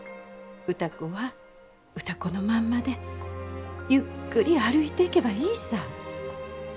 歌子は歌子のまんまでゆっくり歩いていけばいいさ。